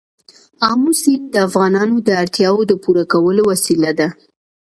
آمو سیند د افغانانو د اړتیاوو د پوره کولو وسیله ده.